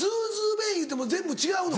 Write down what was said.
弁いうても全部違うの？